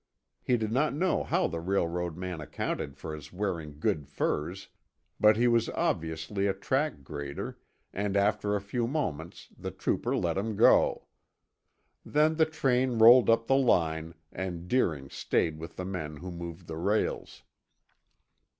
He did not know how the railroad man accounted for his wearing good furs, but he was obviously a track grader and after a few moments the trooper let him go. Then the train rolled up the line and Deering stayed with the men who moved the rails.